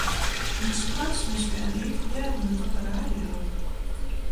Myn skoansuske en ik hearden it op de radio.